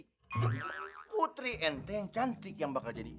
putri ente yang cantik yang bakal jadi